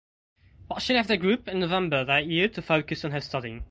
But she left the group in November that year to focus on her studying.